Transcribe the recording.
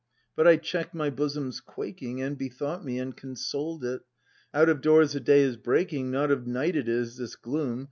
But I check 'd my bosom's quaking, And bethought me, and consoled it: Out of doors the day is breaking. Not of night it is, this gloom.